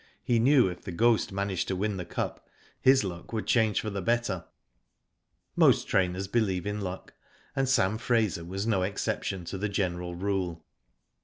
He knew if The Ghost managed to win the Cup his luck would change for the better. Most trainers believe in luck, and Sam Fraser was no exception to the general rule.